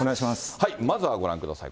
まずはご覧ください。